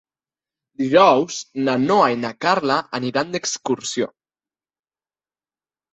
Dijous na Noa i na Carla aniran d'excursió.